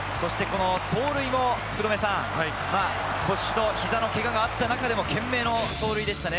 走塁も腰と膝のけががあった中での懸命の走塁でした。